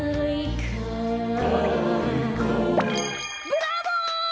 ブラボー！